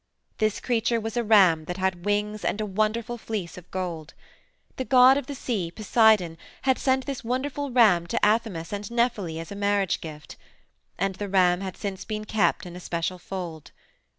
"This creature was a ram that had wings and a wonderful fleece of gold. The god of the sea, Poseidon, had sent this wonderful ram to Athamas and Nephele as a marriage gift. And the ram had since been kept in a special fold.